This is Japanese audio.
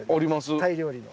タイ料理の。